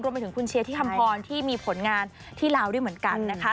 ไปถึงคุณเชียร์ที่คำพรที่มีผลงานที่ลาวด้วยเหมือนกันนะคะ